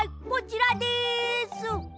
こちらです！